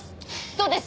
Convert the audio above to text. どうです？